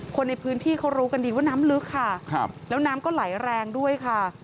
คนในพื้นที่เขารู้กันดีว่าน้ำลึกค่ะแล้วน้ำก็ไหลแรงด้วยค่ะ